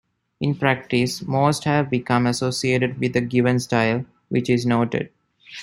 In practice, most have become associated with a given style, which is noted.